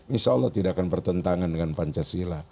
insya allah tidak akan bertentangan dengan pancasila